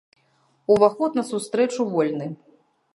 Уваход на сустрэчу вольны.